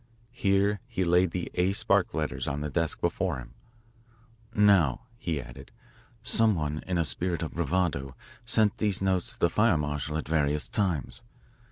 Here he laid the "A. Spark" letters on the desk before him. "Now," he added "some one, in a spirit of bravado, sent these notes to the fire marshal at various times.